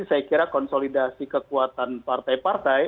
saya kira konsolidasi kekuatan partai partai